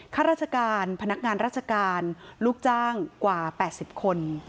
ข้าราชการพนักงานราชการลูกจ้างกว่า๘๐คน